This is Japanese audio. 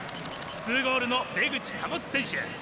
２ゴールの出口保選手。